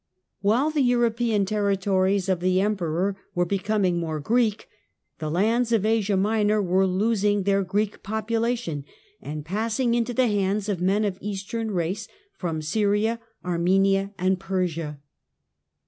While the European territories of the Emperor were becoming more Greek, the lands of Asia Minor were losing their Greek population, and passing into the hands of men of Eastern race from Syria, Armenia and Persia.